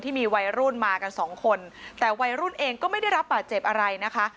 มีวัยรุ่นมากันสองคนแต่วัยรุ่นเองก็ไม่ได้รับบาดเจ็บอะไรนะคะ